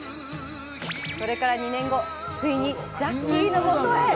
それから２年後、ついにジャッキーの元へ。